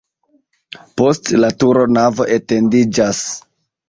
Post la turo navo etendiĝas.